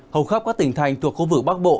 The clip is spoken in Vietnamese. hầu khắp các tỉnh thành thuộc khu vực bắc bộ